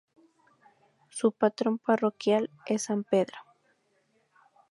Su patrón parroquial es San Pedro.